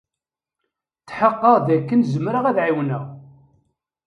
Tḥeqqeɣ d akken zemreɣ ad ɛiwneɣ.